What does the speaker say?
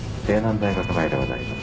大学前でございます。